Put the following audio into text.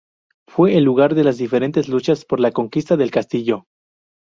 Fue el lugar de las diferentes luchas por la conquista del castillo.